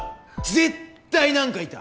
絶対何かいた！